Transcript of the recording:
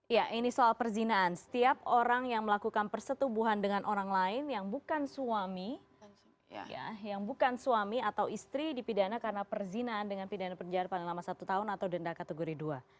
ya ini soal perzinaan setiap orang yang melakukan persetubuhan dengan orang lain yang bukan suami yang bukan suami atau istri dipidana karena perzinaan dengan pidana penjara paling lama satu tahun atau denda kategori dua